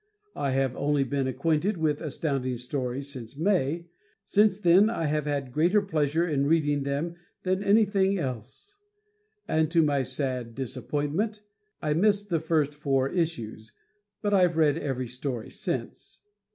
I have only been acquainted with Astounding Stories since May since then I have had greater pleasure in reading them than anything else. To my sad disappointment I missed the first four issues, but I've read every story since.